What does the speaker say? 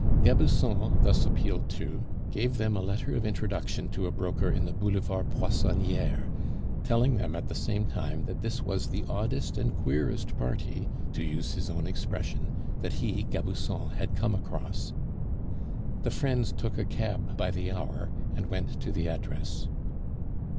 Gabusson thus appealed to gave them a letter of introduction to a broker in the Boulevard Poissonniere, telling them at the same time that this was the "oddest and queerest party" (to use his own expression) that he, Gabusson, had come across. The friends took a cab by the hour, and went to the address.